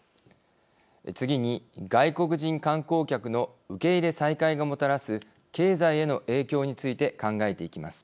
次に、外国人観光客の受け入れ再開がもたらす経済への影響について考えていきます。